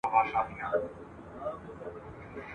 په لومړۍ شپه وو خپل خدای ته ژړېدلی !.